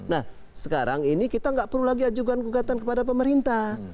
nah sekarang ini kita nggak perlu lagi ajukan gugatan kepada pemerintah